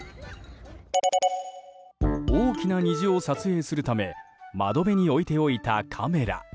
大きな虹を撮影するため窓辺に置いておいたカメラ。